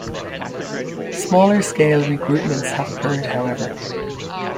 Smaller-scale regroupments have occurred, however.